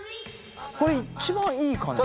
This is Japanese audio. これ一番いい感じ。